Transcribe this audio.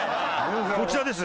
こちらです。